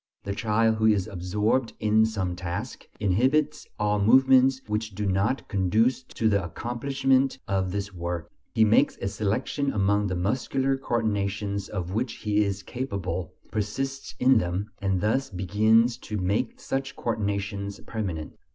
The child who is absorbed in some task, inhibits all movements which do not conduce to the accomplishment of this work; he makes a selection among the muscular coordinations of which he is capable, persists in them, and thus begins to make such coordinations permanent.